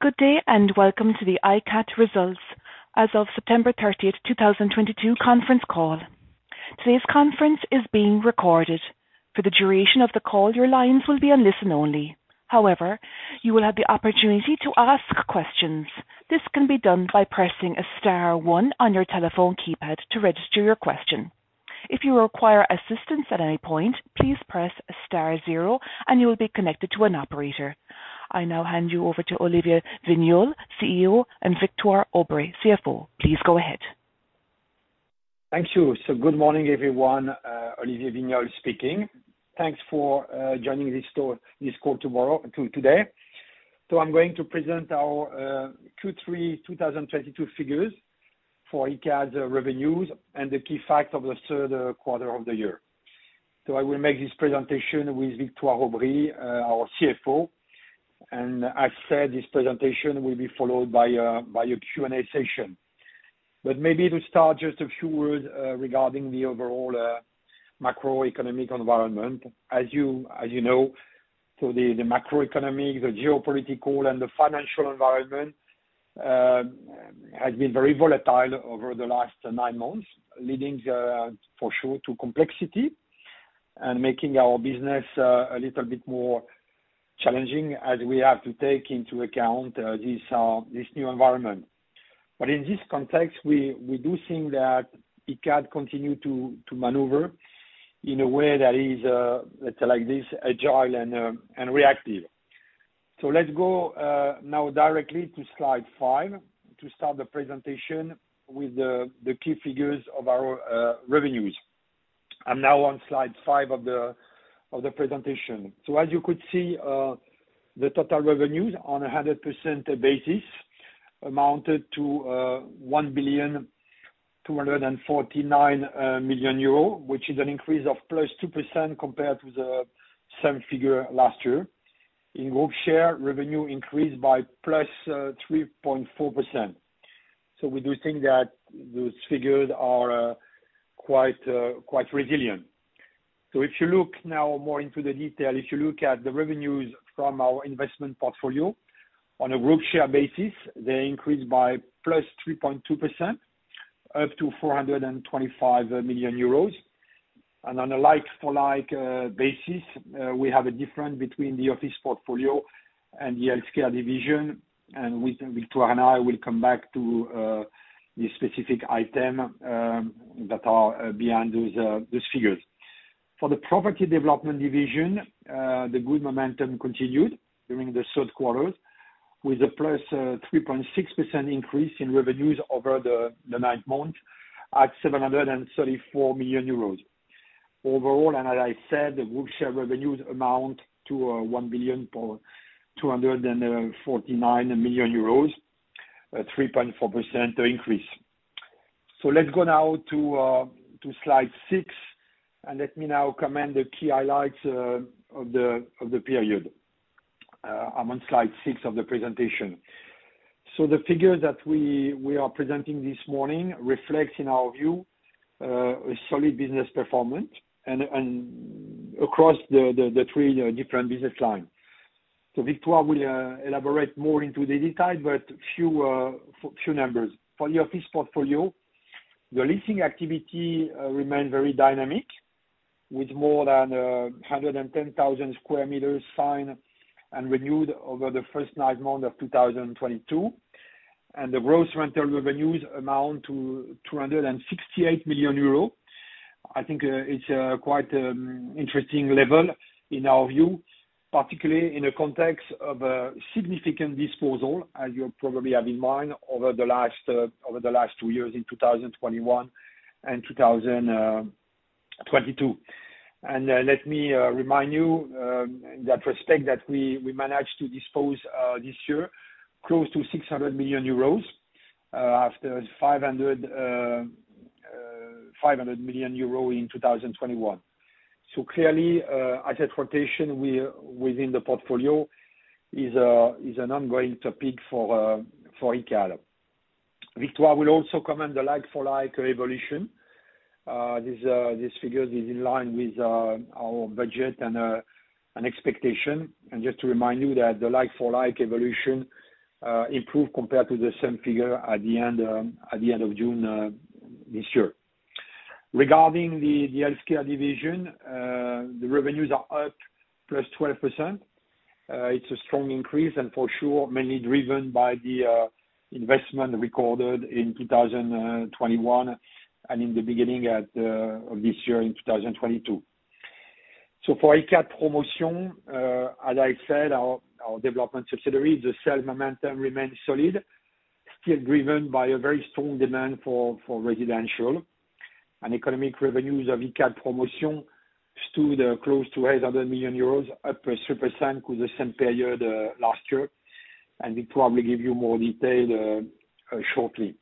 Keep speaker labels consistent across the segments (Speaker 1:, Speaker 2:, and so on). Speaker 1: Good day, and welcome to the Icade results, as of September 30th, 2022 conference call. Today's conference is being recorded. For the duration of the call, your lines will be on listen only. However, you will have the opportunity to ask questions. This can be done by pressing star one on your telephone keypad to register your question. If you require assistance at any point, please press star zero and you will be connected to an operator. I now hand you over to Olivier Wigniolle, CEO, and Victoire Aubry, CFO. Please go ahead.
Speaker 2: Thank you. Good morning, everyone, Olivier Wigniolle speaking. Thanks for joining this call tomorrow, today. I'm going to present our Q3 2022 figures for Icade's revenues and the key facts of the third quarter of the year. I will make this presentation with Victoire Aubry, our CFO. As said, this presentation will be followed by a Q&A session. Maybe to start, just a few words regarding the overall macroeconomic environment. As you know, the macroeconomy, the geopolitical, and the financial environment has been very volatile over the last nine months, leading for sure to complexity and making our business a little bit more challenging as we have to take into account this new environment. In this context, we do think that Icade continue to maneuver in a way that is, let's say like this, agile and reactive. Let's go now directly to slide five to start the presentation with the key figures of our revenues. I'm now on slide five of the presentation. As you could see, the total revenues on a hundred percent basis amounted to 1,249 million euro, which is an increase of +2% compared with the same figure last year. In group share, revenue increased by +3.4%. We do think that those figures are quite resilient. If you look now more into the detail, if you look at the revenues from our investment portfolio on a group share basis, they increased by +3.2% up to 425 million euros. On a like-for-like basis, we have a difference between the office portfolio and the healthcare division. With Victoire and I, we'll come back to the specific item that are behind those figures. For the property development division, the good momentum continued during the third quarters with a +3.6% increase in revenues over the nine months at 734 million euros. Overall, as I said, the group share revenues amount to 1,249 million euros at 3.4% increase. Let's go now to slide six, and let me now comment the key highlights of the period. I'm on slide six of the presentation. The figures that we are presenting this morning reflects, in our view, a solid business performance and across the three different business lines. Victoire will elaborate more into the detail, but few numbers. For the office portfolio, the leasing activity remained very dynamic with more than sq m signed and renewed over the first nine months of 2022. The gross rental revenues amount to 268 million euros. I think it's a quite interesting level in our view, particularly in the context of a significant disposal, as you probably have in mind over the last two years in 2021 and 2022. Let me remind you that we managed to dispose this year close to 600 million euros, after 500 million euros in 2021. Clearly, asset rotation within the portfolio is an ongoing topic for Icade. Victoire will also comment the like-for-like evolution. These figures is in line with our budget and expectation. Just to remind you that the like-for-like evolution improved compared to the same figure at the end of June this year. Regarding the healthcare division, the revenues are up 12%. It's a strong increase, and for sure, mainly driven by the investment recorded in 2021 and in the beginning of this year in 2022. For Icade Promotion, as I said, our development subsidiary, the sales momentum remains solid, still driven by a very strong demand for residential. Economic revenues of Icade Promotion stood close to 800 million euros, up 2% with the same period last year. We probably give you more detail shortly.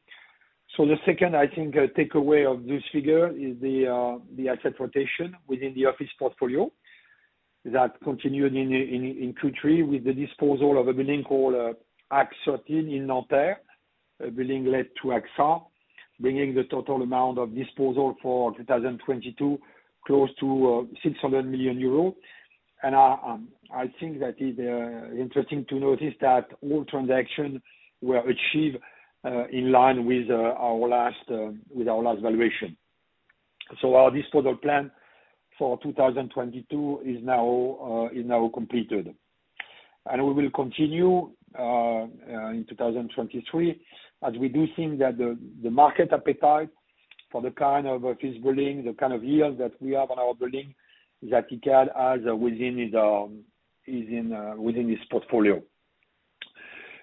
Speaker 2: The second, I think, takeaway of this figure is the asset rotation within the office portfolio that continued in Q3 with the disposal of a building called AXE 13 in Nanterre, a building let to AXA. Bringing the total amount of disposal for 2022 close to 600 million euro. I think that is interesting to notice that all transactions were achieved in line with our last valuation. Our disposal plan for 2022 is now completed. We will continue in 2023, as we do think that the market appetite for the kind of office building, the kind of yield that we have on our building, that Icade has within its portfolio.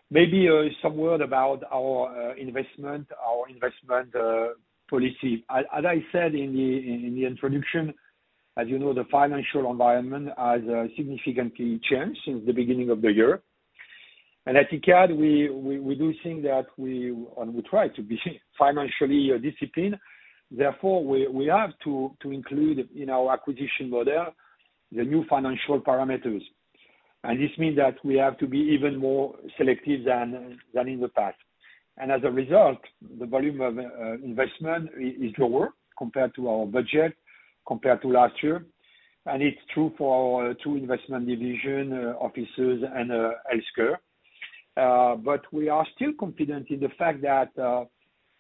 Speaker 2: Maybe some word about our investment policy. As I said in the introduction, as you know, the financial environment has significantly changed since the beginning of the year. At Icade, we do think that we and we try to be financially disciplined. Therefore, we have to include in our acquisition model the new financial parameters. This means that we have to be even more selective than in the past. As a result, the volume of investment is lower compared to our budget, compared to last year. It's true for our two investment division, offices and healthcare. We are still confident in the fact that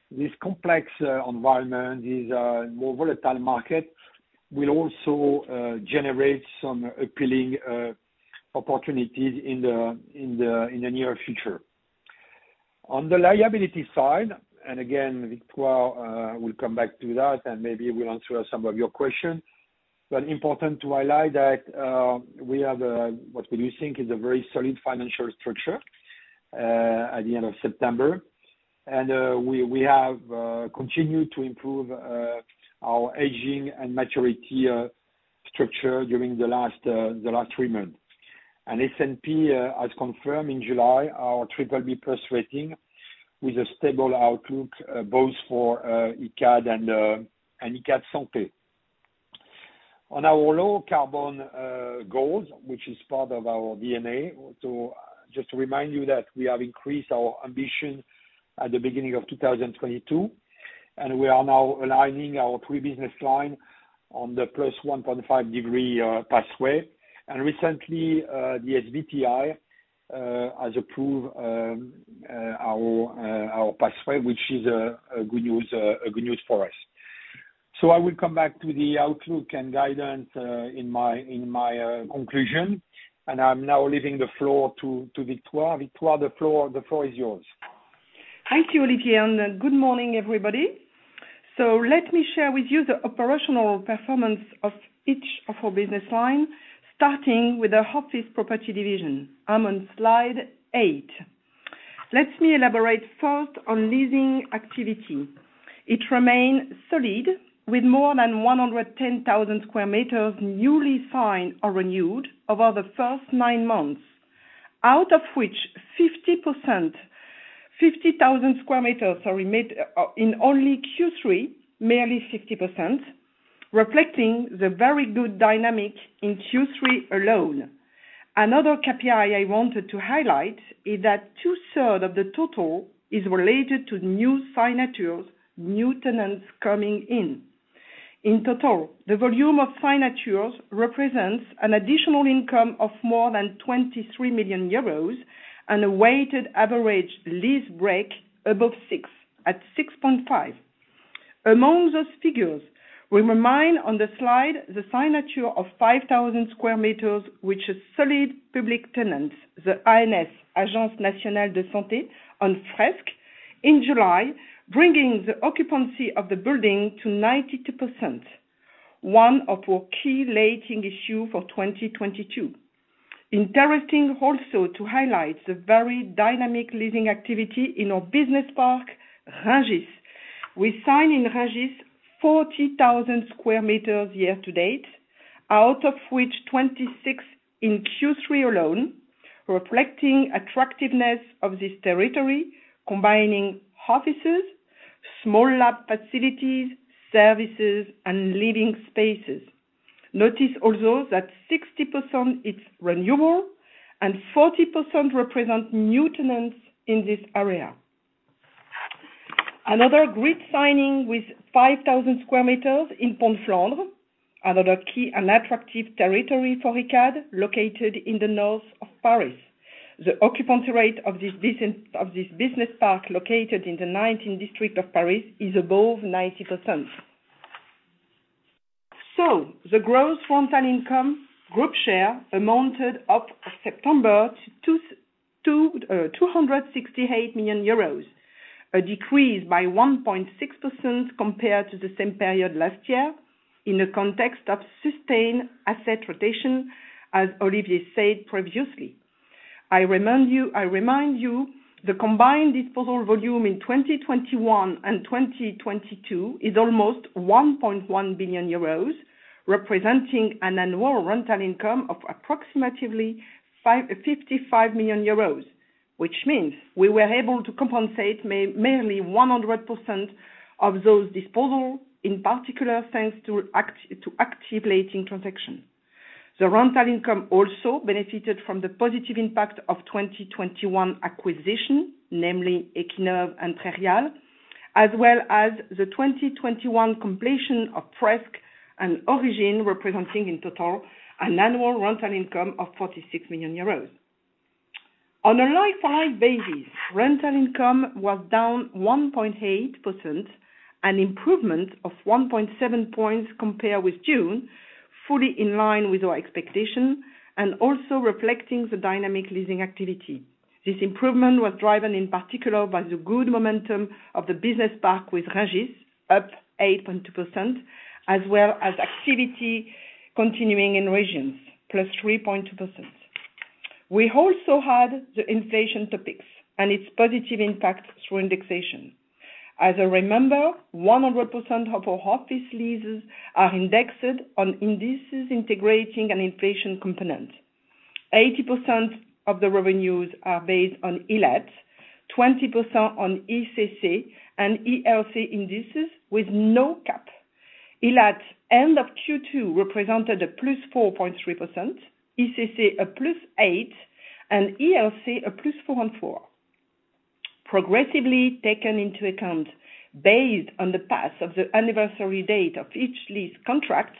Speaker 2: this complex environment, this more volatile market, will also generate some appealing opportunities in the near future. On the liability side, and again, Victoire will come back to that and maybe will answer some of your questions. Important to highlight that we have what we do think is a very solid financial structure at the end of September. We have continued to improve our aging and maturity structure during the last three months. S&P has confirmed in July our BBB+ rating with a stable outlook both for Icade and Icade Santé. On our low carbon goals, which is part of our DNA, to just remind you that we have increased our ambition at the beginning of 2022, and we are now aligning our three business line on the +1.5 degree pathway. Recently, the SBTI has approved our pathway, which is a good news for us. I will come back to the outlook and guidance in my conclusion, and I'm now leaving the floor to Victoire. Victoire, the floor is yours.
Speaker 3: Thank you, Olivier, and good morning, everybody. Let me share with you the operational performance of each of our business line, starting with the office property division. I'm on slide eight. Let me elaborate first on leasing activity. It remained solid with more than 110,000 sq m newly signed or renewed over the first nine months, out of which 50%, 50,000 sq m are made in only Q3, nearly 50%, reflecting the very good dynamic in Q3 alone. Another KPI I wanted to highlight is that two-thirds of the total is related to new signatures, new tenants coming in. In total, the volume of signatures represents an additional income of more than 23 million euros and a weighted average lease term above 6, at 6.5. Among those figures, we remind on the slide the signature of 5,000 sq m, which is solid public tenants, the ANS, Agence du Numérique en Santé on Fresk in July, bringing the occupancy of the building to 92%, one of our key leasing issue for 2022. Interesting also to highlight the very dynamic leasing activity in our business park, Rungis. We sign in Rungis 40,000 sq m year to date, out of which 26,000 sq m in Q3 alone, reflecting attractiveness of this territory, combining offices, small lab facilities, services, and living spaces. Notice also that 60% is renewable and 40% represent new tenants in this area. Another great signing with 5,000 sq m in Pont de Flandre, another key and attractive territory for Icade, located in the north of Paris. The occupancy rate of this business park located in the 19th district of Paris is above 90%. The gross rental income group share amounted, up to September, to 268 million euros, a decrease by 1.6% compared to the same period last year in the context of sustained asset rotation, as Olivier said previously. I remind you the combined disposal volume in 2021 and 2022 is almost 1.1 billion euros, representing an annual rental income of approximately 55 million euros, which means we were able to compensate nearly 100% of those disposals, in particular thanks to active leasing transactions. The rental income also benefited from the positive impact of 2021 acquisitions, namely Equinove and Prairial, as well as the 2021 completion of Fresk and Origine, representing in total an annual rental income of 46 million euros. On a like-for-like basis, rental income was down 1.8%, an improvement of 1.7 points compared with June, fully in line with our expectation and also reflecting the dynamic leasing activity. This improvement was driven in particular by the good momentum of the business park with Rungis, up 8.2%, as well as activity continuing in regions, +3.2%. We also had the inflation topics and its positive impact through indexation. As a reminder, 100% of our office leases are indexed on indices integrating an inflation component. 80% of the revenues are based on ILAT, 20% on ICC and ILC indices with no cap. ILAT end of Q2 represented +4.3%, ICC +8%, and ILC +4.4%. Progressively taken into account based on the path of the anniversary date of each lease contract,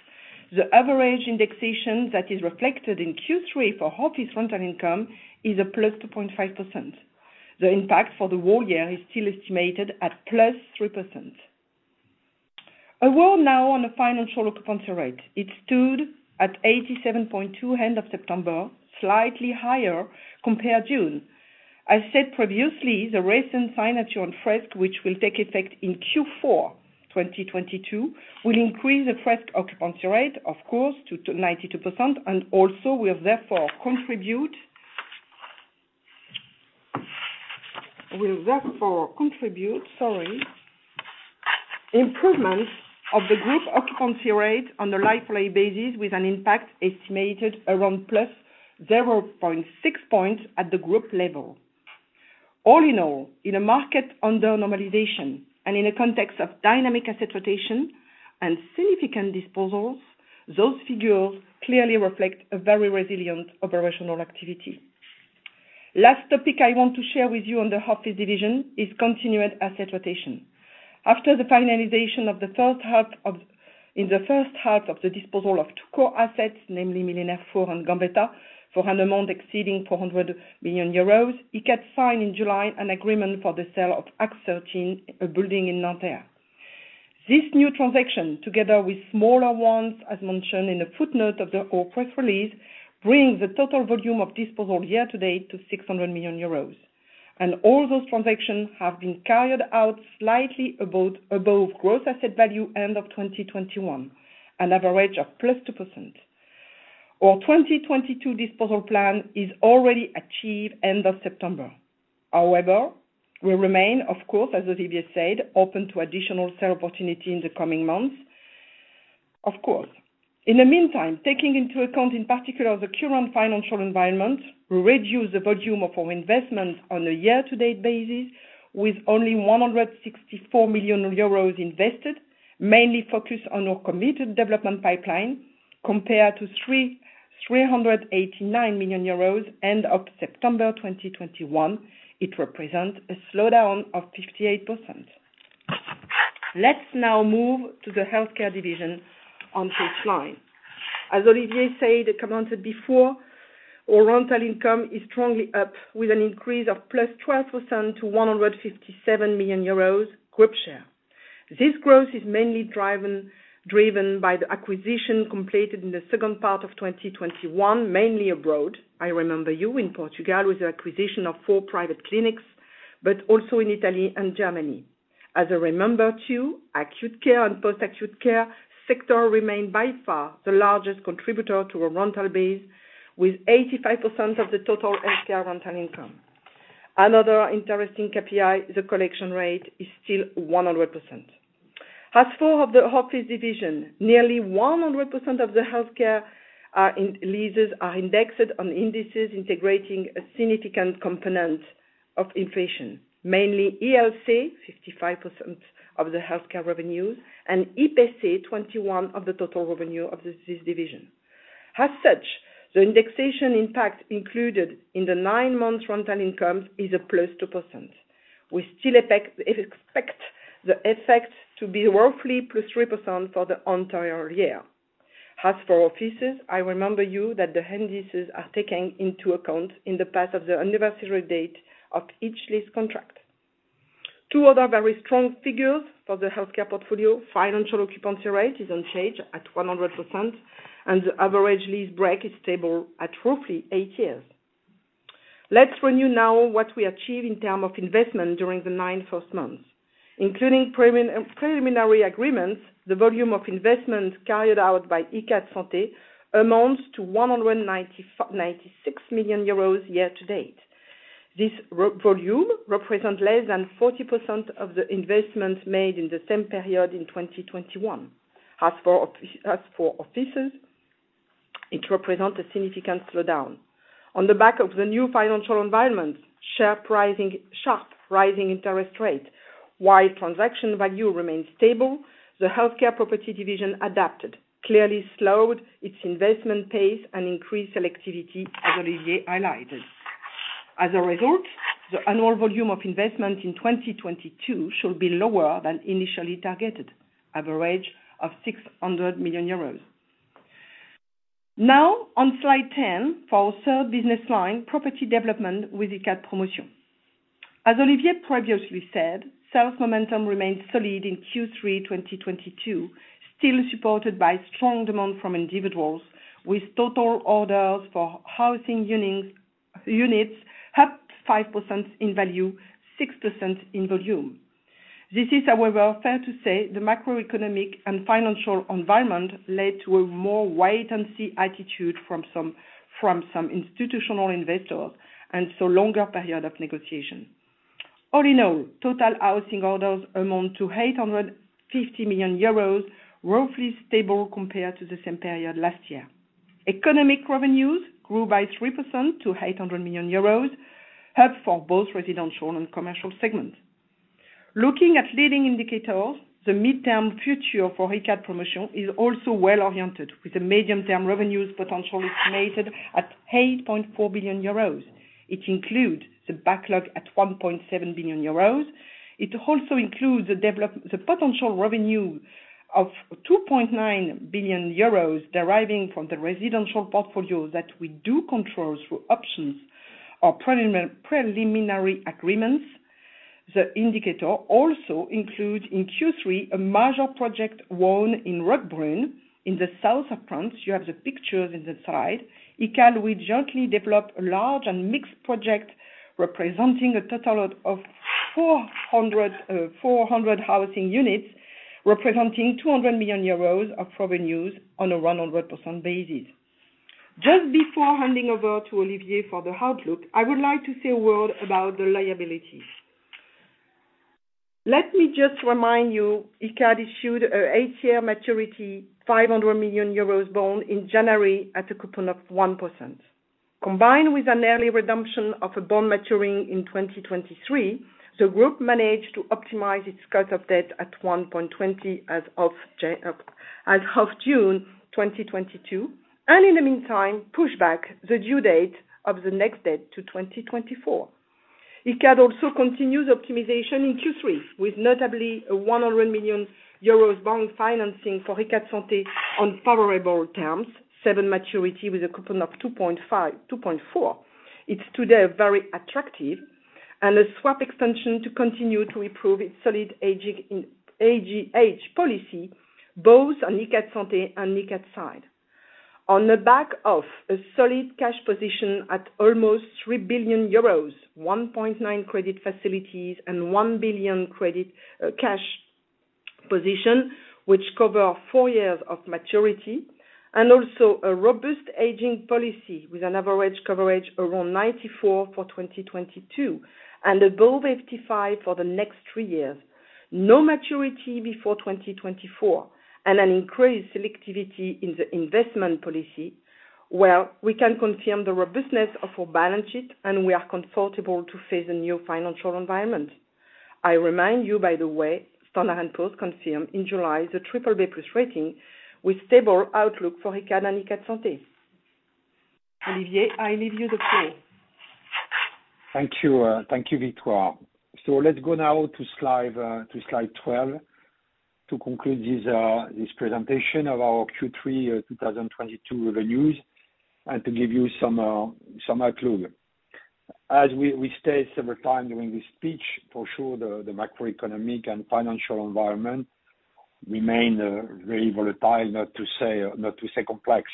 Speaker 3: the average indexation that is reflected in Q3 for office rental income is +2.5%. The impact for the whole year is still estimated at +3%. A word now on the financial occupancy rate. It stood at 87.2% end of September, slightly higher compared to June. I said previously, the recent signature on Fresk, which will take effect in Q4 2022, will increase the Fresk occupancy rate, of course, to 92%, and also will therefore contribute, sorry, to the improvement of the group occupancy rate on a like-for-like basis, with an impact estimated around +0.6 points at the group level. All in all, in a market under normalization and in a context of dynamic asset rotation and significant disposals, those figures clearly reflect a very resilient operational activity. Last topic I want to share with you on the office division is continued asset rotation. After the finalization in the first half of the disposal of two core assets, namely Millénaire 4 and Gambetta, for an amount exceeding 400 million euros, Icade signed in July an agreement for the sale of AXE 13, a building in Nanterre. This new transaction, together with smaller ones, as mentioned in a footnote of the core press release, brings the total volume of disposal year-to-date to 600 million euros. All those transactions have been carried out slightly above gross asset value end of 2021, an average of +2%. Our 2022 disposal plan is already achieved end of September. However, we remain, of course, as Olivier said, open to additional sale opportunity in the coming months, of course. In the meantime, taking into account, in particular, the current financial environment, we reduce the volume of our investment on a year-to-date basis, with only 164 million euros invested, mainly focused on our committed development pipeline. Compared to 389 million euros end of September 2021, it represents a slowdown of 58%. Let's now move to the healthcare division on this slide. As Olivier Wigniolle said, commented before, our rental income is strongly up with an increase of +12% to 157 million euros group share. This growth is mainly driven by the acquisition completed in the second part of 2021, mainly abroad. I remind you in Portugal with the acquisition of four private clinics, but also in Italy and Germany. As I remember too, acute care and post-acute care sector remain by far the largest contributor to our rental base with 85% of the total healthcare rental income. Another interesting KPI, the collection rate is still 100%. As for the healthcare division, nearly 100% of the healthcare leases are indexed on indices integrating a significant component of inflation, mainly ELC, 55% of the healthcare revenue, and EPC, 21% of the total revenue of this division. As such, the indexation impact included in the nine-month rental income is +2%. We still expect the effects to be roughly +3% for the entire year. As for offices, I remind you that the indices are taken into account on the anniversary date of each lease contract. Two other very strong figures for the healthcare portfolio. Financial occupancy rate is unchanged at 100%, and the average lease break is stable at roughly eight years. Let's review now what we achieved in terms of investment during the first nine months, including preliminary agreements, the volume of investment carried out by Icade Santé amounts to 196 million euros year to date. This volume represent less than 40% of the investment made in the same period in 2021. As for offices, it represent a significant slowdown. On the back of the new financial environment, sharply rising interest rates, while transaction value remains stable, the healthcare property division adapted, clearly slowed its investment pace and increased selectivity, as Olivier highlighted. As a result, the annual volume of investment in 2022 should be lower than initially targeted, average of 600 million euros. Now on slide 10 for our third business line, property development with Icade Promotion. As Olivier previously said, sales momentum remains solid in Q3 2022, still supported by strong demand from individuals, with total orders for housing units up 5% in value, 6% in volume. This is, however, fair to say, the macroeconomic and financial environment led to a more wait-and-see attitude from some institutional investors and so longer period of negotiation. All in all, total housing orders amount to 850 million euros, roughly stable compared to the same period last year. Economic revenues grew by 3% to 800 million euros, helped for both residential and commercial segments. Looking at leading indicators, the midterm future for Icade Promotion is also well-oriented, with the medium-term revenues potential estimated at 8.4 billion euros. It includes the backlog at 1.7 billion euros. It also includes the potential revenue of 2.9 billion euros deriving from the residential portfolio that we do control through options or preliminary agreements. The indicator also includes, in Q3, a major project won in Roquebrune in the south of France. You have the pictures on the slide. Icade will jointly develop a large and mixed project representing a total of 400 housing units, representing 200 million euros of revenues on a 100% basis. Just before handing over to Olivier for the outlook, I would like to say a word about the liabilities. Let me just remind you, Icade issued an eight-year maturity, 500 million euros bond in January at a coupon of 1%. Combined with an early redemption of a bond maturing in 2023, the group managed to optimize its cost of debt at 1.20 as of June 2022, and in the meantime, push back the due date of the next debt to 2024. Icade also continues optimization in Q3, with notably a 100 million euros bond financing for Icade Santé on favorable terms, seven-year maturity with a coupon of 2.4. It's today very attractive, and a swap extension to continue to improve its solidity and age policy, both on Icade Santé and Icade side. On the back of a solid cash position at almost 3 billion euros, 1.9 billion credit facilities and 1 billion credit, cash position, which cover four years of maturity, and also a robust hedging policy with an average coverage around 94% for 2022, and above 85% for the next three years. No maturity before 2024, and an increased selectivity in the investment policy, where we can confirm the robustness of our balance sheet, and we are comfortable to face a new financial environment. I remind you, by the way, Standard & Poor's confirmed in July the BBB+ rating with stable outlook for Icade and Icade Santé. Olivier, I leave you the floor.
Speaker 2: Thank you. Thank you, Victoire. Let's go now to slide 12 to conclude this presentation of our Q3 2022 revenues and to give you some outlook. As we state several times during this speech, for sure the macroeconomic and financial environment remains very volatile, not to say complex.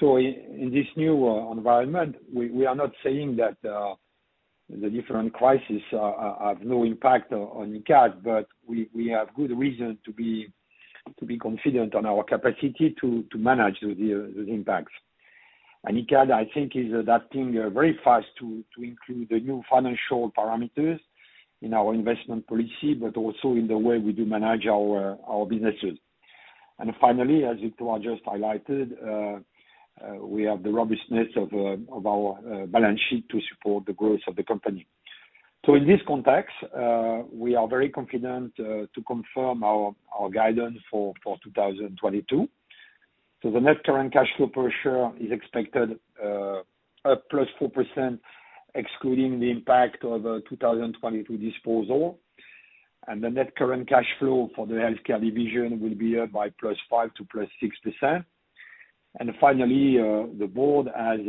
Speaker 2: In this new environment, we are not saying that the different crises have no impact on Icade, but we have good reason to be confident on our capacity to manage those impacts. Icade, I think, is adapting very fast to include the new financial parameters in our investment policy, but also in the way we do manage our businesses. Finally, as Victoire just highlighted, we have the robustness of our balance sheet to support the growth of the company. In this context, we are very confident to confirm our guidance for 2022. The net current cash flow per share is expected up +4%, excluding the impact of 2022 disposal. The net current cash flow for the healthcare division will be up +5% to +6%. Finally, the board has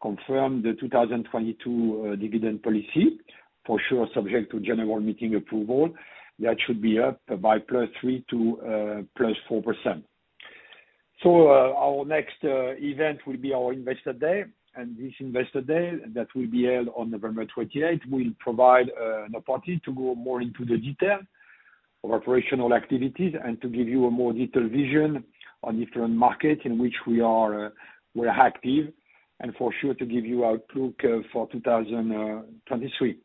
Speaker 2: confirmed the 2022 dividend policy, for sure subject to general meeting approval. That should be up +3% to +4%. Our next event will be our Investor Day. This Investor Day that will be held on November 28th will provide an opportunity to go more into the detail of operational activities and to give you a more detailed vision on different markets in which we're active, and for sure to give you outlook for 2023.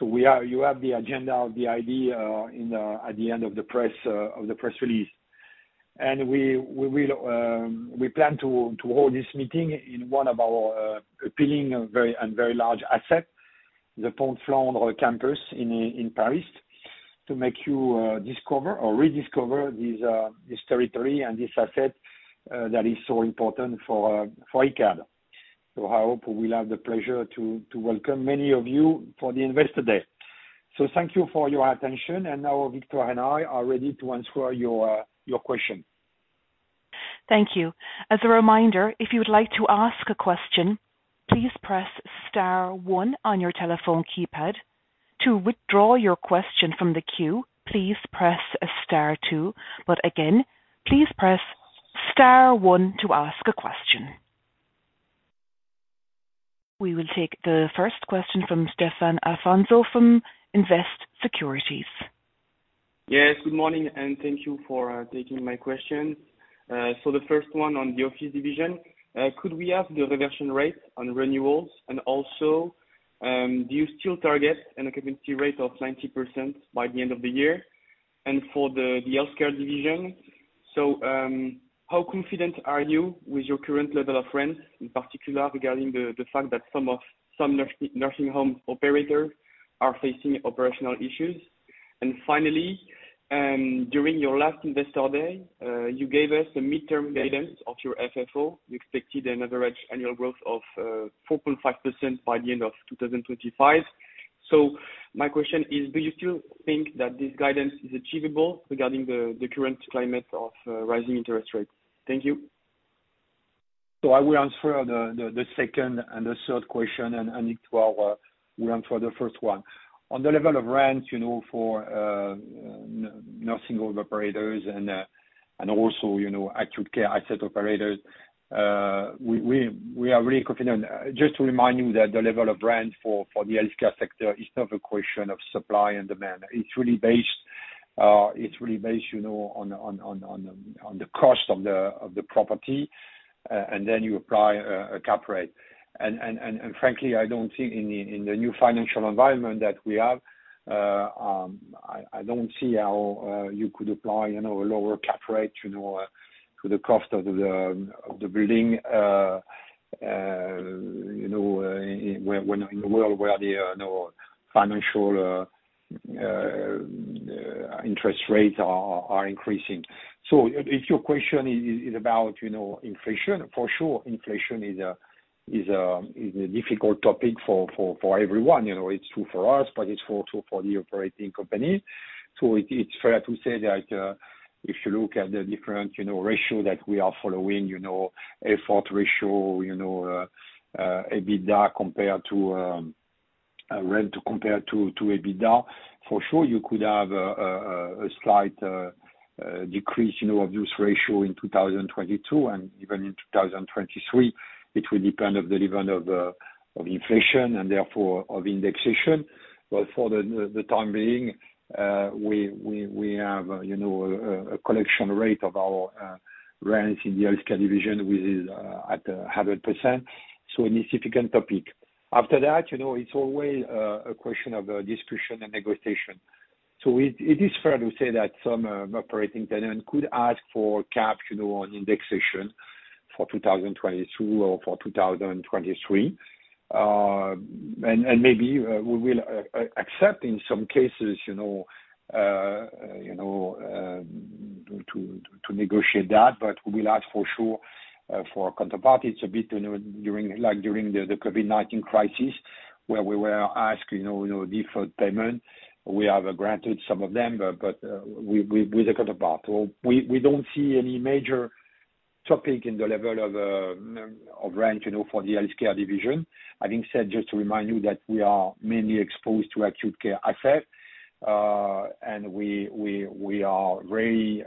Speaker 2: You have the agenda of the ID at the end of the press release. We will plan to hold this meeting in one of our appealing and very large asset, the Pont de Flandre campus in Paris, to make you discover or rediscover this territory and this asset that is so important for Icade. I hope we'll have the pleasure to welcome many of you for the Investor Day. Thank you for your attention, and now Victoire and I are ready to answer your question.
Speaker 1: Thank you. As a reminder, if you would like to ask a question, please press star one on your telephone keypad. To withdraw your question from the queue, please press star two. Again, please press star one to ask a question. We will take the first question from Stéphane Afonso from Invest Securities.
Speaker 4: Yes. Good morning, and thank you for taking my question. The first one on the office division, could we have the reversion rate on renewals? Also, do you still target an occupancy rate of 90% by the end of the year? For the healthcare division, how confident are you with your current level of rent, in particular regarding the fact that some nursing home operators are facing operational issues. Finally, during your last Investor Day, you gave us a midterm guidance of your FFO. You expected an average annual growth of 4.5% by the end of 2025. My question is, do you still think that this guidance is achievable regarding the current climate of rising interest rates? Thank you.
Speaker 2: I will answer the second and the third question, and Victoire will answer the first one. On the level of rent, for nursing home operators and also acute care asset operators, we are really confident. Just to remind you that the level of rent for the healthcare sector is not a question of supply and demand. It's really based on the cost of the property, and then you apply a cap rate. Frankly, I don't think in the new financial environment that we have, I don't see how you could apply, you know, a lower cap rate, you know, to the cost of the building, you know, when in a world where the financial interest rates are increasing. If your question is about, you know, inflation, for sure inflation is a difficult topic for everyone. You know, it's true for us, but it's also for the operating company. It's fair to say that if you look at the different ratio that we are following, you know, a fourth ratio, you know, EBITDA compared to rent compared to EBITDA, for sure you could have a slight decrease, you know, of this ratio in 2022, and even in 2023. It will depend on the level of inflation and therefore of indexation. For the time being, we have, you know, a collection rate of our rents in the healthcare division, which is at 100%. A significant topic. After that, you know, it's always a question of discussion and negotiation. It is fair to say that some operating tenant could ask for cap on indexation for 2022 or for 2023. Maybe we will accept in some cases, you know, to negotiate that, but we will ask for sure for counterparts a bit like during the COVID-19 crisis, where we were asked deferred payment. We have granted some of them, but with the counterpart. We don't see any major topic in the level of rent for the healthcare division. Having said, just to remind you that we are mainly exposed to acute care assets, and we are very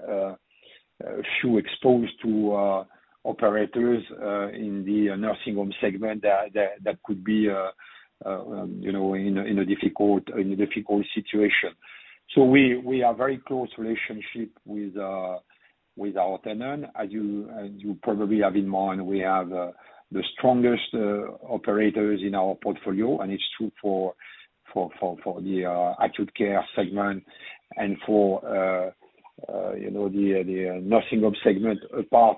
Speaker 2: few exposed to operators in the nursing home segment that could be, you know, in a difficult situation. We have a very close relationship with our tenant. As you probably have in mind, we have the strongest operators in our portfolio, and it's true for the acute care segment and for, you know, the nursing home segment, apart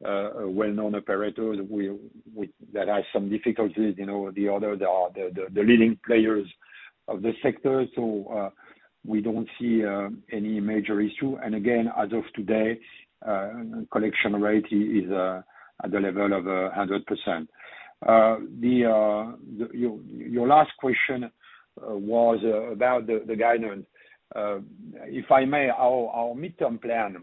Speaker 2: from well-known operators that have some difficulties. You know, the other leading players of the sector. We don't see any major issue. Again, as of today, collection rate is at the level of 100%. Your last question was about the guidance. If I may, our midterm plan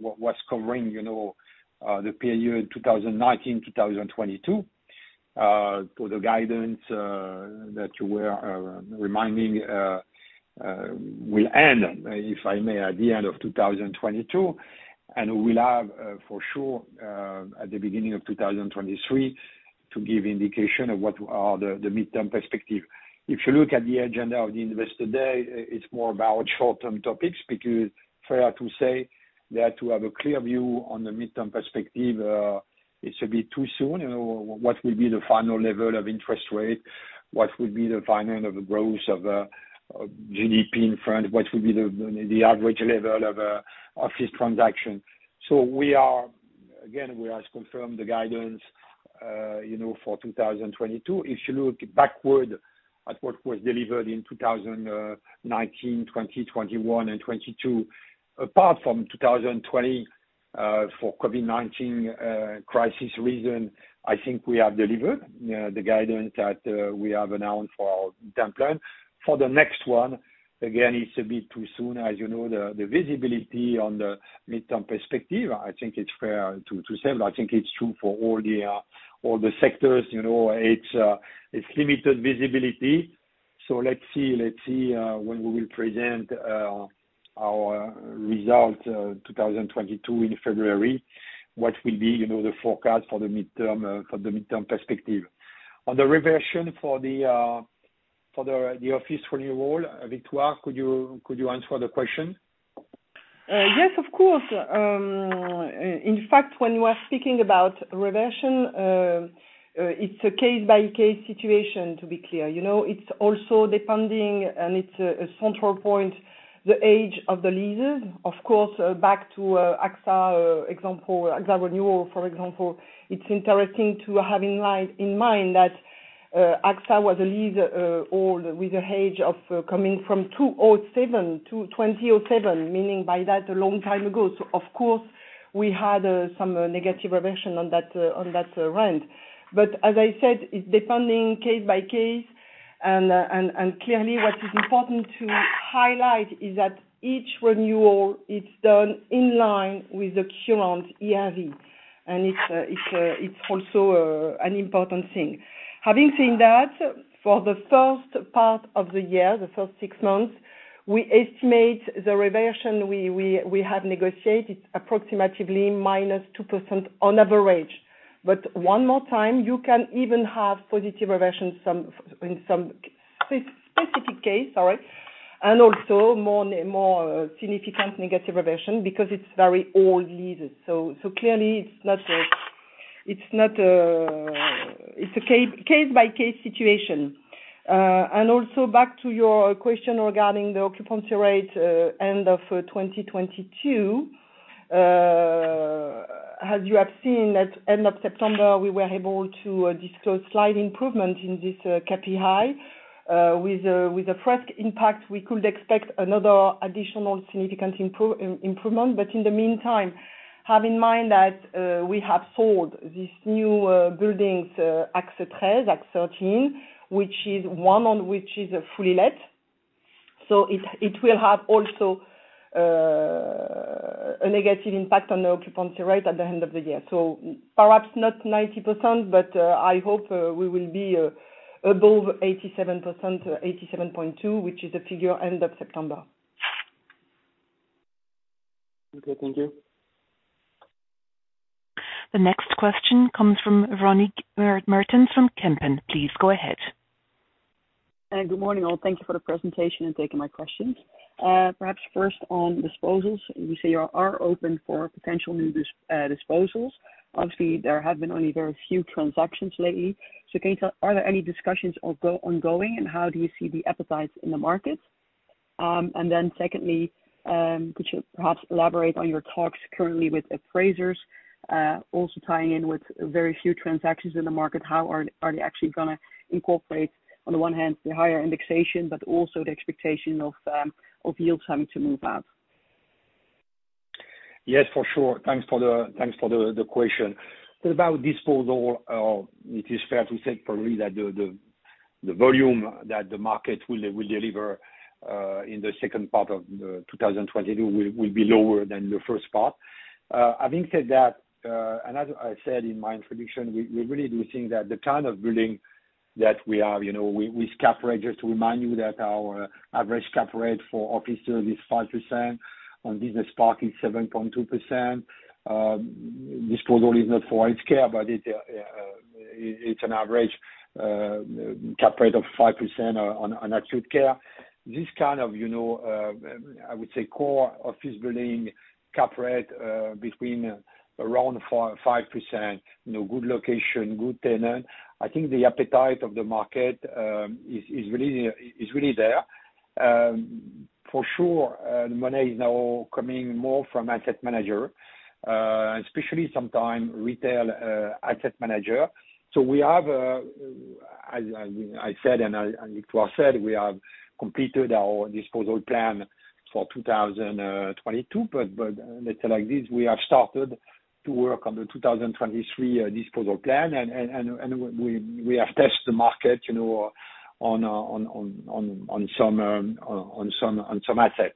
Speaker 2: was covering, you know, the period 2019-2022, for the guidance that you were reminding will end, if I may, at the end of 2022. We'll have, for sure, at the beginning of 2023 to give indication of what are the midterm perspective. If you look at the agenda of the Investor Day, it's more about short-term topics, because fair to say that to have a clear view on the midterm perspective, it's a bit too soon. You know, what will be the final level of interest rate? What will be the final of the growth of GDP in France? What will be the average level of office transaction? We are again we has confirmed the guidance, you know, for 2022. If you look backward at what was delivered in 2019, 2021 and 2022, apart from 2020 for COVID-19 crisis reason, I think we have delivered, you know, the guidance that we have announced for our midterm plan. For the next one, again, it's a bit too soon. As you know, the visibility on the midterm perspective, I think it's fair to say, but I think it's true for all the all the sectors, you know. It's limited visibility. Let's see when we will present our results 2022 in February, what will be, you know, the forecast for the midterm perspective. On the reversion for the office renewal, Victoire, could you answer the question?
Speaker 3: Yes, of course. In fact, when you are speaking about reversion, it's a case by case situation, to be clear. You know, it's also depending, and it's a central point, the age of the leases. Of course, back to AXA example, AXA renewal, for example, it's interesting to have in mind that AXA was an old lease with an age coming from 2007, meaning that a long time ago. Of course we had some negative reversion on that rent. As I said, it's depending case by case. Clearly what is important to highlight is that each renewal is done in line with the current ERV, and it's also an important thing. Having said that, for the first part of the year, the first six months, we estimate the reversion we have negotiated approximately -2% on average. One more time, you can even have positive reversion in some specific case, sorry, and also more significant negative reversion because it's very old leases. Clearly it's not. It's a case by case situation. Back to your question regarding the occupancy rate end of 2022. As you have seen at end of September, we were able to disclose slight improvement in this KPI. With the Fresk impact, we could expect another additional significant improvement. In the meantime, have in mind that we have sold these new buildings, AXE 13, which is fully let. It will have also a negative impact on the occupancy rate at the end of the year. Perhaps not 90%, but I hope we will be above 87%, 87.2%, which is the figure end of September.
Speaker 4: Okay, thank you.
Speaker 1: The next question comes from Véronique Meertens from Kempen. Please go ahead.
Speaker 5: Good morning, all. Thank you for the presentation and taking my questions. Perhaps first on disposals, you say you are open for potential new disposals. Obviously there have been only very few transactions lately. Can you tell, are there any discussions ongoing, and how do you see the appetite in the market? Secondly, could you perhaps elaborate on your talks currently with appraisers, also tying in with very few transactions in the market, how are they actually gonna incorporate, on the one hand, the higher indexation, but also the expectation of yields having to move up?
Speaker 2: Yes, for sure. Thanks for the question. About disposal, it is fair to say probably that the volume that the market will deliver in the second part of 2020 will be lower than the first part. Having said that, as I said in my introduction, we really do think that the kind of building that we cap rate, just to remind you that our average cap rate for office service is 5%. On business park it's 7.2%. Disposal is not for healthcare, but it's an average cap rate of 5% on acute care. This kind of, you know, I would say, core office building cap rate, between around 4% or 5%, you know, good location, good tenant. I think the appetite of the market is really there. For sure, the money is now coming more from asset manager, especially sometimes retail, asset manager. We have, as I said, Victoire said, we have completed our disposal plan for 2022, but let's say like this, we have started to work on the 2023 disposal plan and we have tested the market, you know, on some assets.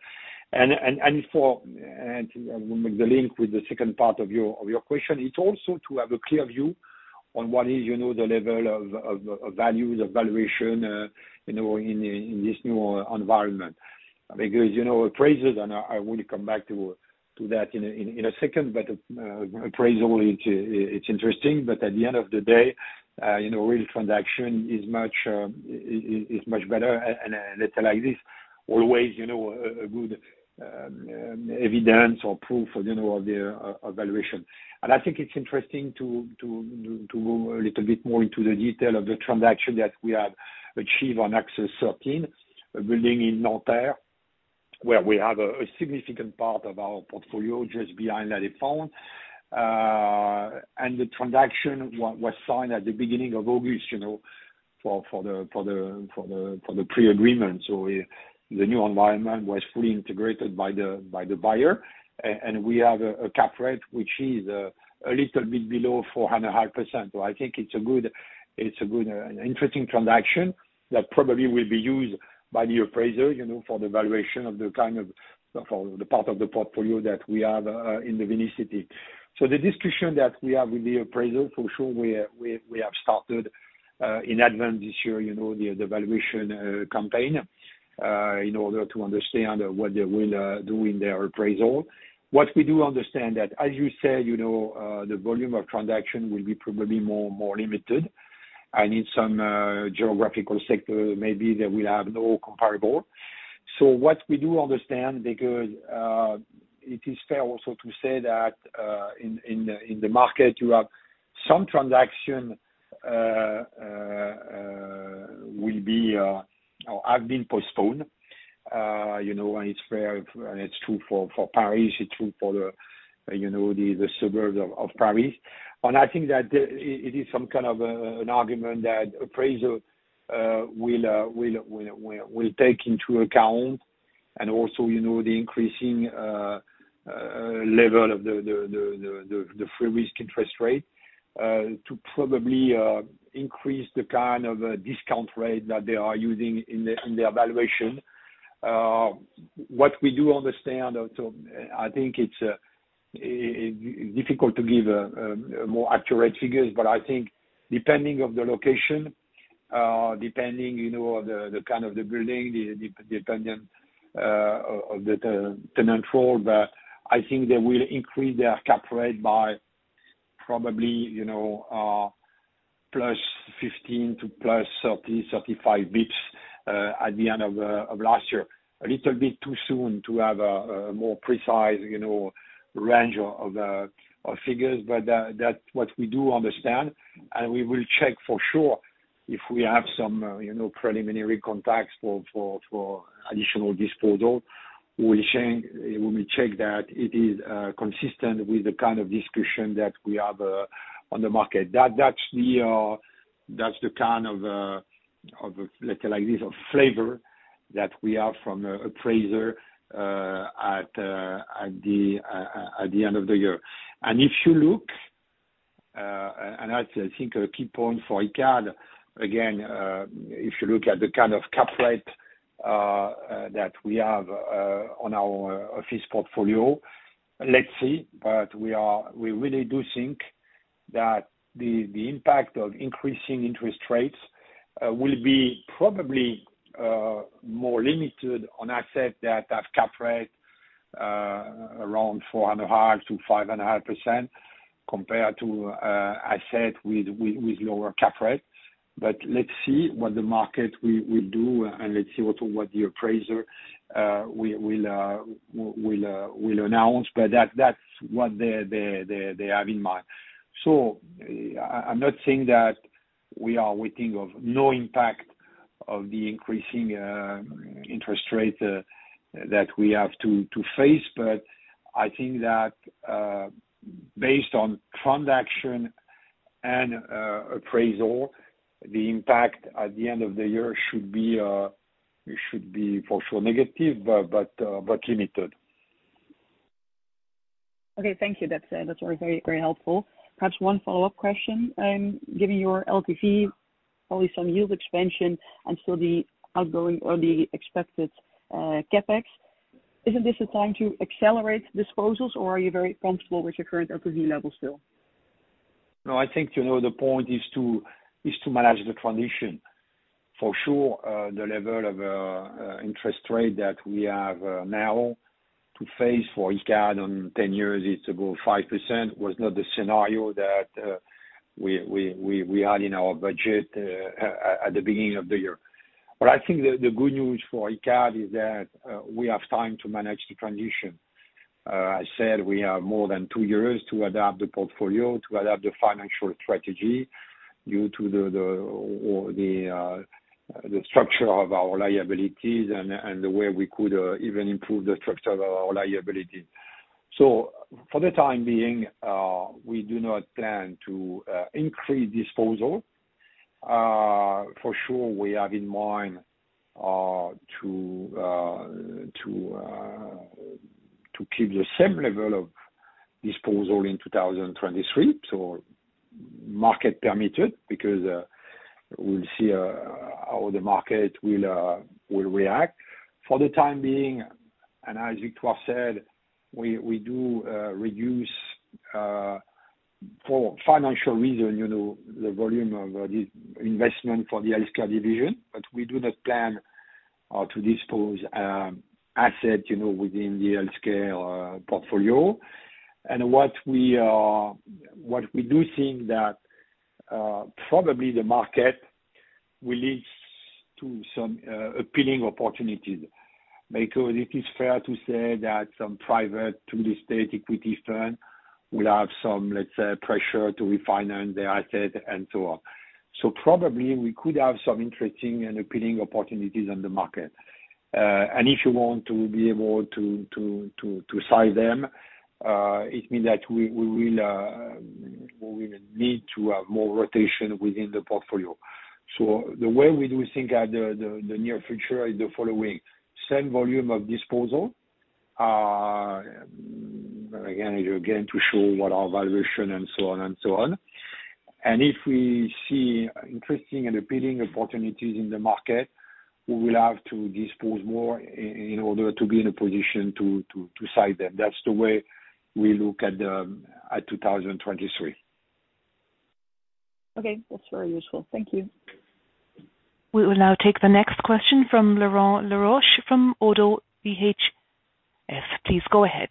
Speaker 2: We'll make the link with the second part of your question. It's also to have a clear view on what is you know the level of values of valuation you know in this new environment. Because you know appraisers and I will come back to that in a second but appraisal it's interesting but at the end of the day you know real transaction is much better. Let's say like this. Always you know a good evidence or proof for you know of the evaluation. I think it's interesting to go a little bit more into the detail of the transaction that we have achieved on AXE 13, a building in Nanterre, where we have a significant part of our portfolio just behind La Défense. The transaction was signed at the beginning of August, you know, for the pre-agreement. The new environment was fully integrated by the buyer. We have a cap rate which is a little bit below 4.5%. I think it's a good interesting transaction that probably will be used by the appraisers, you know, for the valuation for the part of the portfolio that we have in the vicinity. The discussion that we have with the appraisers, for sure we have started in advance this year, you know, the valuation campaign in order to understand what they will do in their appraisal. What we do understand that, as you said, you know, the volume of transaction will be probably more limited. In some geographical sector, maybe they will have no comparable. What we do understand, because it is fair also to say that in the market, you have some transaction or have been postponed. You know, it's fair, and it's true for Paris, it's true for the suburbs of Paris. I think that it is some kind of an argument that appraisers will take into account. Also, you know, the increasing level of the risk-free interest rate to probably increase the kind of discount rate that they are using in their valuation. What we do understand also, I think it's difficult to give more accurate figures, but I think depending on the location, you know, the kind of the building, depending on the tenant profile, but I think they will increase their cap rate by probably, you know, +15 to +30/+35 basis points at the end of last year. A little bit too soon to have a more precise, you know, range of figures, but that's what we do understand. We will check for sure if we have some, you know, preliminary contacts for additional disposal. We will check that it is consistent with the kind of discussion that we have on the market. That's the kind of, let's say, like this, flavor that we have from appraiser at the end of the year. If you look and that's I think a key point for Icade, again, if you look at the kind of cap rate that we have on our office portfolio, let's see. We really do think that the impact of increasing interest rates will be probably more limited on assets that have cap rate around 4.5%-5.5%, compared to asset with lower cap rates. Let's see what the market will do, and let's see also what the appraiser will announce. That's what they have in mind. I'm not saying that we are expecting no impact of the increasing interest rate that we have to face. I think that based on transaction and appraisal, the impact at the end of the year should be. It should be for sure negative, but limited.
Speaker 5: Okay, thank you. That's very, very helpful. Perhaps one follow-up question. Given your LTV, probably some yield expansion and still the ongoing or the expected CapEx, isn't this the time to accelerate disposals, or are you very comfortable with your current LTV levels still?
Speaker 2: No, I think, you know, the point is to manage the transition. For sure, the level of interest rate that we have now to face for Icade on 10 years, it's about 5%, was not the scenario that we had in our budget at the beginning of the year. I think the good news for Icade is that we have time to manage the transition. As I said, we have more than two years to adapt the portfolio, to adapt the financial strategy due to the structure of our liabilities and the way we could even improve the structure of our liabilities. For the time being, we do not plan to increase disposal. For sure, we have in mind to keep the same level of disposal in 2023. Market permitting, because we'll see how the market will react. For the time being, and as Victoire said, we do reduce, for financial reason, you know, the volume of the investment for the healthcare division. But we do not plan to dispose of assets, you know, within the healthcare portfolio. What we do think is that probably the market will lead to some appealing opportunities. Because it is fair to say that some private real estate equity firms will have some, let's say, pressure to refinance their assets and so on. Probably we could have some interesting and appealing opportunities on the market. If you want to be able to size them, it means that we will need to have more rotation within the portfolio. The way we do think at the near future is the following. Same volume of disposal again and again, to show what our valuation and so on and so on. If we see interesting and appealing opportunities in the market, we will have to dispose more in order to be in a position to size them. That's the way we look at 2023.
Speaker 5: Okay, that's very useful. Thank you.
Speaker 1: We will now take the next question from Florent Laroche-Joubert from Oddo BHF. Please go ahead.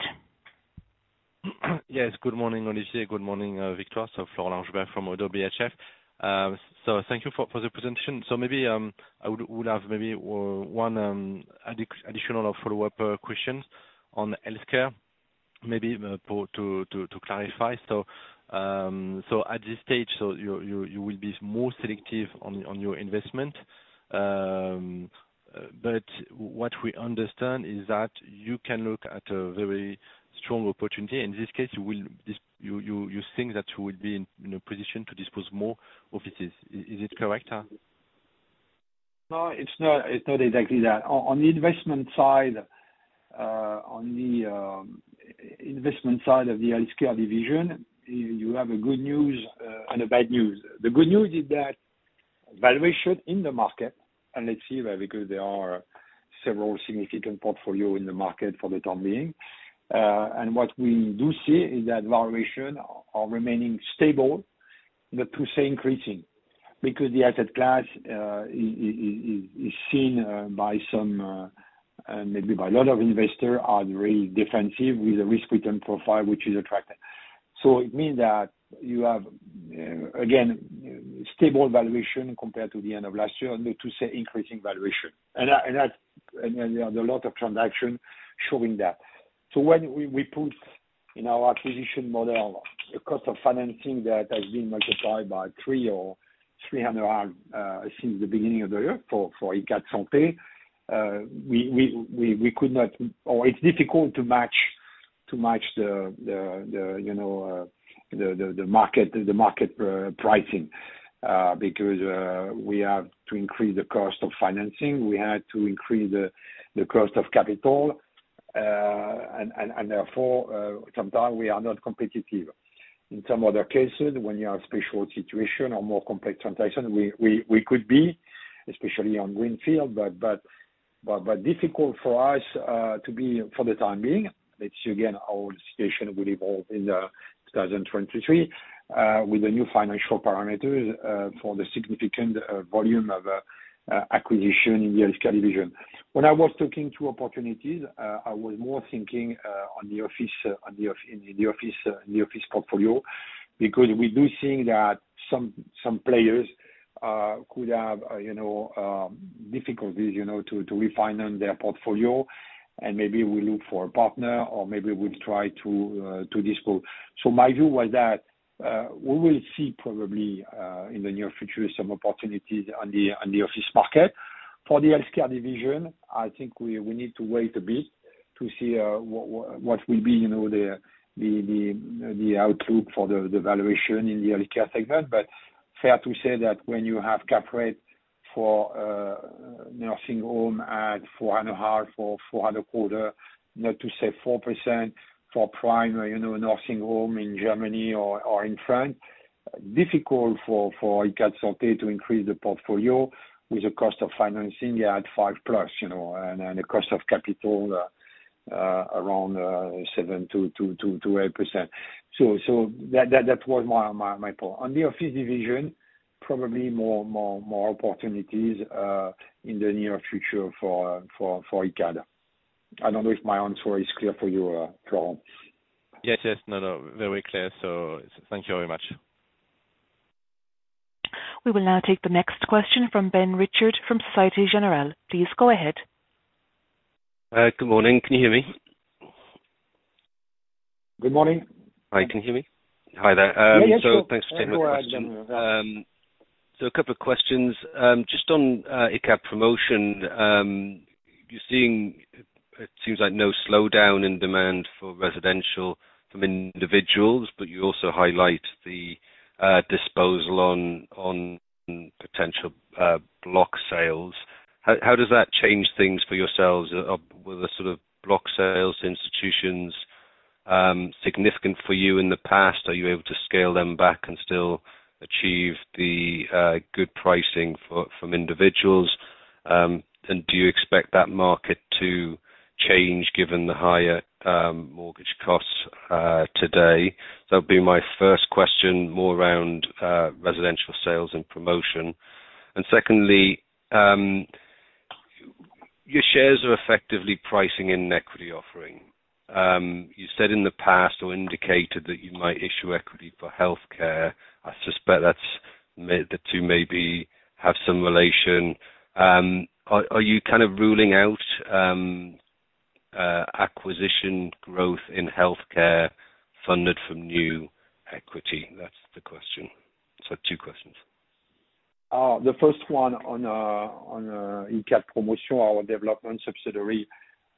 Speaker 6: Yes, good morning, Olivier. Good morning, Victoire. Florent Laroche-Joubert from Oddo BHF. Thank you for the presentation. Maybe I would have maybe one additional or follow-up question on healthcare, maybe to clarify. At this stage, you will be more selective on your investment. What we understand is that you can look at a very strong opportunity. In this case, you think that you will be in a position to dispose more offices. Is it correct?
Speaker 2: No, it's not. It's not exactly that. On the investment side of the healthcare division, you have good news and bad news. The good news is that valuations in the market, and let's see, right, because there are several significant portfolios in the market for the time being. What we do see is that valuations are remaining stable, but I'd say increasing. Because the asset class is seen by some and maybe by a lot of investors as very defensive with the risk-return profile, which is attractive. So it means that you have, again, stable valuations compared to the end of last year, I'd say increasing valuations. You know, there are a lot of transactions showing that. When we put in our acquisition model, the cost of financing that has been multiplied by 3 or 3.5 since the beginning of the year for Icade Santé, we could not or it's difficult to match the you know the market pricing. Because we have to increase the cost of financing. We had to increase the cost of capital. And therefore, sometimes we are not competitive. In some other cases, when you have special situation or more complex transaction, we could be, especially on Greenfield. Difficult for us to be for the time being. Let's see again how the situation will evolve in 2023 with the new financial parameters for the significant volume of acquisition in the healthcare division. When I was talking through opportunities, I was more thinking on the office in the office portfolio. Because we do think that some players could have, you know, difficulties, you know, to refinance their portfolio. Maybe we look for a partner or maybe we try to dispose. My view was that we will see probably in the near future some opportunities on the office market. For the healthcare division, I think we need to wait a bit to see what will be you know the outlook for the valuation in the healthcare segment. Fair to say that when you have cap rate for nursing home at 4.5% or 4.25%, not to say 4% for prime you know nursing home in Germany or in France, difficult for Icade Santé to increase the portfolio with the cost of financing yeah at 5%+ you know. The cost of capital around 7%-8%. That was my point. On the office division, probably more opportunities in the near future for Icade. I don't know if my answer is clear for you, Florent.
Speaker 6: Yes. No, very clear. Thank you very much.
Speaker 1: We will now take the next question from Ben Richford from Société Générale. Please go ahead.
Speaker 7: Good morning. Can you hear me?
Speaker 2: Good morning.
Speaker 7: Hi, can you hear me? Hi there.
Speaker 2: Yeah, yeah, sure.
Speaker 7: Thanks for taking my question. A couple of questions, just on Icade Promotion. You're seeing, it seems like no slowdown in demand for residential from individuals, but you also highlight the disposal on potential block sales. How does that change things for yourselves? Were the sort of block sales institutions significant for you in the past? Are you able to scale them back and still achieve the good pricing from individuals? Do you expect that market to change given the higher mortgage costs today? That'll be my first question, more around residential sales and promotion. Secondly, your shares are effectively pricing in an equity offering. You said in the past or indicated that you might issue equity for healthcare. I suspect the two maybe have some relation. Are you kind of ruling out acquisition growth in healthcare funded from new equity? That's the question. Two questions.
Speaker 2: The first one on Icade Promotion, our development subsidiary.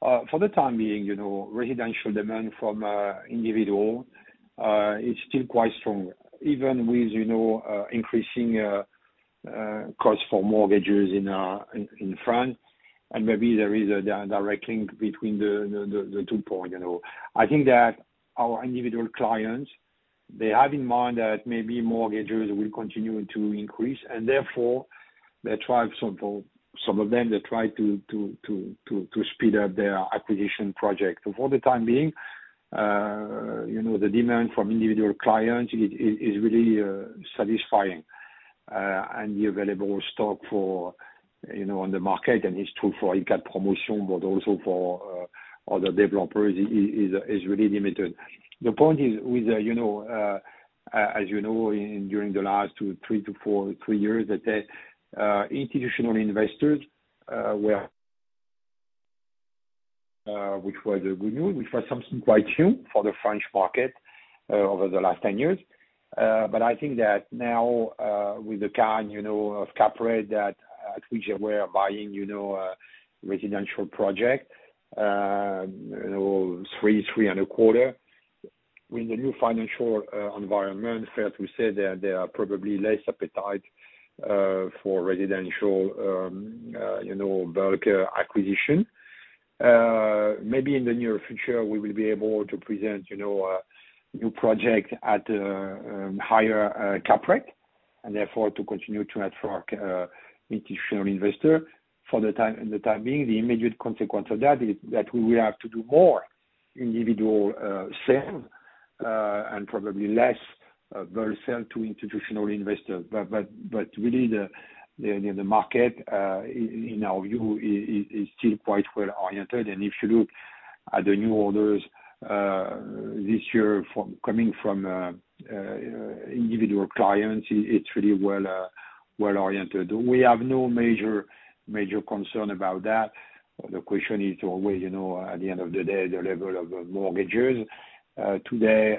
Speaker 2: For the time being, you know, residential demand from individual is still quite strong. Even with, you know, increasing cost for mortgages in France, and maybe there is a direct link between the two point, you know. I think that our individual clients, they have in mind that maybe mortgages will continue to increase, and therefore some of them, they try to speed up their acquisition project. For the time being, you know, the demand from individual clients is really satisfying. The available stock, you know, on the market, and it's true for Icade Promotion, but also for other developers is really limited. The point is, with, you know, as you know, during the last two to four years, that institutional investors were, which was good news, which was something quite new for the French market over the last 10 years. I think that now, with the current, you know, cap rate at which we are buying, you know, residential project, you know, 3.25%. With the new financial environment, fair to say there are probably less appetite for residential, you know, bulk acquisition. Maybe in the near future, we will be able to present, you know, a new project at higher cap rate, and therefore to continue to attract institutional investor. For the time being, the immediate consequence of that is that we will have to do more individual sale and probably less bulk sale to institutional investors. Really the market in our view is still quite well-oriented. If you look at the new orders this year from individual clients, it's really well-oriented. We have no major concern about that. The question is always, you know, at the end of the day, the level of mortgages. Today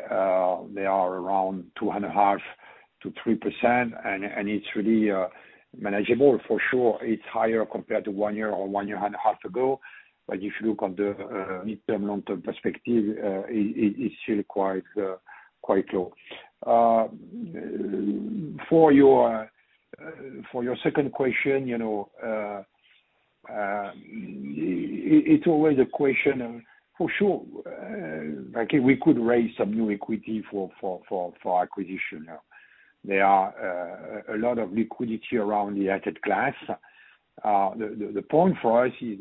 Speaker 2: they are around 2.5%-3%, and it's really manageable. For sure it's higher compared to one year or one year and a half ago. If you look on the midterm, long-term perspective, it's still quite low. For your second question, you know, it's always a question of for sure, like we could raise some new equity for acquisition now. There are a lot of liquidity around the asset class. The point for us is,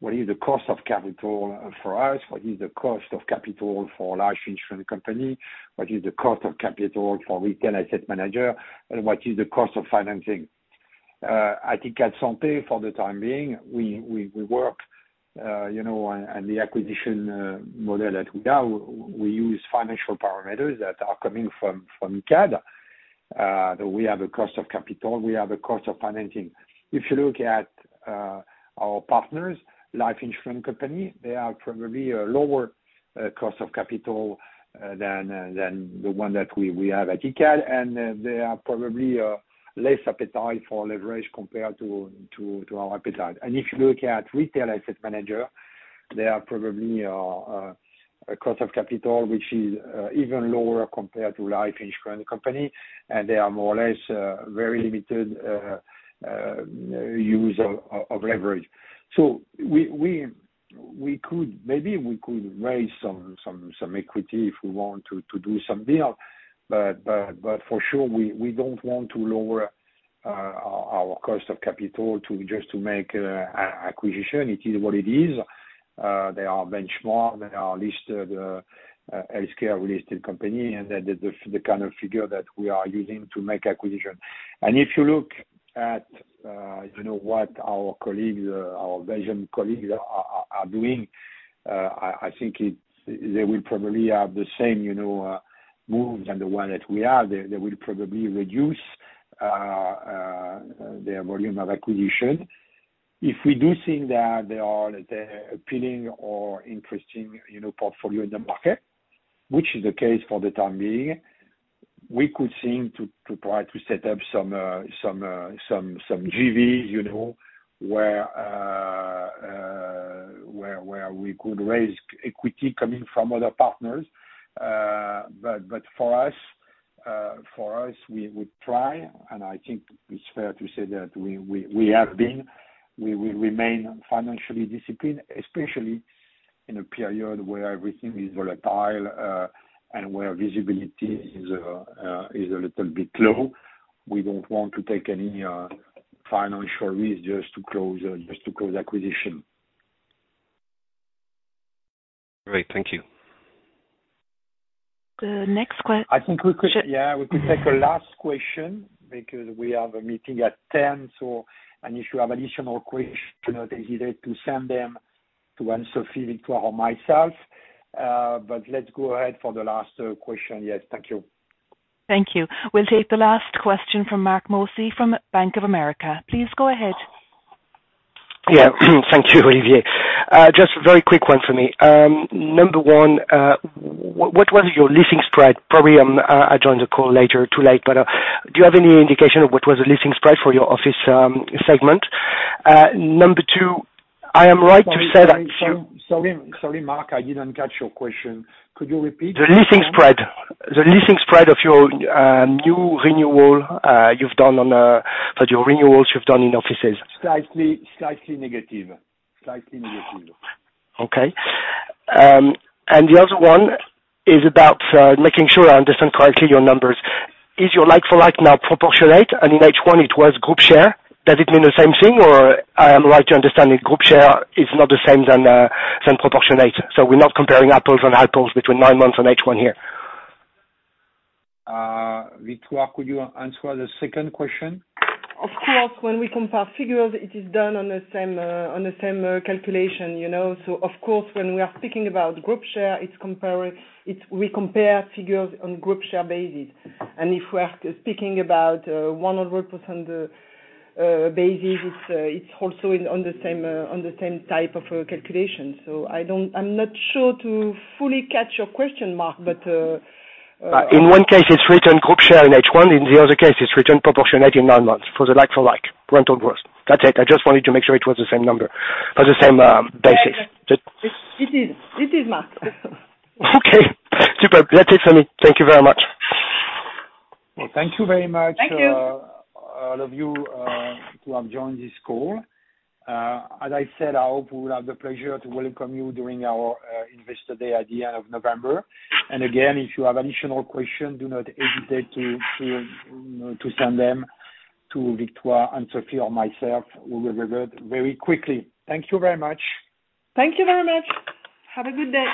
Speaker 2: what is the cost of capital for us? What is the cost of capital for large insurance company? What is the cost of capital for retail asset manager? And what is the cost of financing? At Icade Santé for the time being, we work, you know, on the acquisition model that we have. We use financial parameters that are coming from Icade. We have a cost of capital, we have a cost of financing. If you look at our partners, life insurance company, they are probably a lower cost of capital than the one that we have at Icade, and they are probably less appetite for leverage compared to our appetite. If you look at retail asset manager, they are probably a cost of capital, which is even lower compared to life insurance company, and they are more or less very limited user of leverage. Maybe we could raise some equity if we want to do some deal. For sure, we don't want to lower our cost of capital just to make an acquisition. It is what it is. They are benchmarks. They are listed healthcare-related companies, and the kind of figure that we are using to make acquisitions. If you look at, you know, what our colleagues, our Asian colleagues are doing, I think they will probably have the same, you know, moves as the ones that we have. They will probably reduce their volume of acquisitions. If we do think that there are appealing or interesting, you know, portfolios in the market, which is the case for the time being, we could seek to set up some JV, you know, where we could raise equity coming from other partners. For us, we try, and I think it's fair to say that we have been, we will remain financially disciplined, especially in a period where everything is volatile, and where visibility is a little bit low. We don't want to take any financial risk just to close acquisition.
Speaker 7: Great. Thank you.
Speaker 1: The next que-
Speaker 2: I think we could, yeah, we could take a last question because we have a meeting at ten, so, and if you have additional questions, do not hesitate to send them to Anne-Sophie, Victoire or myself. Let's go ahead for the last question. Yes. Thank you.
Speaker 1: Thank you. We'll take the last question from Marc Mozzi from Bank of America. Please go ahead.
Speaker 8: Yeah. Thank you, Olivier. Just a very quick one for me. Number one, what was your leasing spread? Probably, I joined the call later, too late, but do you have any indication of what was the leasing spread for your office segment? Number two, I am right to say that-
Speaker 2: Sorry. Sorry, Mark, I didn't catch your question. Could you repeat?
Speaker 8: The leasing spread of your new renewal for your renewals you've done in offices.
Speaker 2: Slightly negative.
Speaker 8: Okay. The other one is about making sure I understand correctly your numbers. Is your like-for-like now proportionate, and in H1 it was group share? Does it mean the same thing, or I am right to understand the group share is not the same as proportionate. We're not comparing apples and apples between nine months and H1 here.
Speaker 2: Victoire, could you answer the second question?
Speaker 3: Of course, when we compare figures, it is done on the same calculation, you know. Of course, when we are speaking about group share, we compare figures on group share basis. If we are speaking about a 100% basis, it's also on the same type of calculation. I'm not sure to fully catch your question, Marc, but..
Speaker 8: In one case, it's written group share in H1. In the other case, it's written proportionate in nine months for the like-for-like rental growth. That's it. I just wanted to make sure it was the same number or the same basis.
Speaker 3: It is, Marc.
Speaker 8: Okay. Superb. That's it for me. Thank you very much.
Speaker 2: Well, thank you very much.
Speaker 3: Thank you.
Speaker 2: All of you who have joined this call. As I said, I hope we will have the pleasure to welcome you during our Investor Day at the end of November. Again, if you have additional questions, do not hesitate to send them to Victoire, Anne-Sophie or myself. We will revert very quickly. Thank you very much.
Speaker 3: Thank you very much. Have a good day.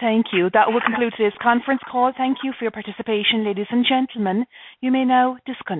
Speaker 1: Thank you. That will conclude today's conference call. Thank you for your participation, ladies and gentlemen. You may now disconnect.